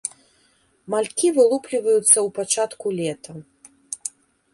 Малькі вылупліваюцца ў пачатку лета.